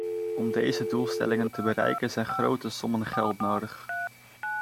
Om deze doelstellingen te bereiken zijn grote sommen geld nodig.